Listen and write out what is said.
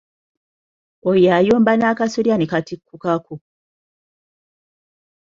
Oyo ayomba n'akasolya ne katikkukako.